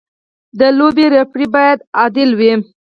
د لوبې ریفري باید عادل وي.